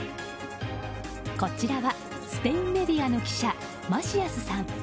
こちらはスペインメディアの記者マシアスさん。